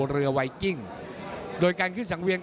ไวกิ้งโดยการขึ้นสังเวียน